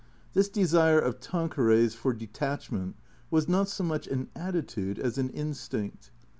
This desire of Tanqueray's for detachment was not so much an attitude as an instinct.